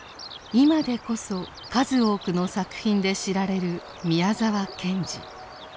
今でこそ数多くの作品で知られる宮沢賢治。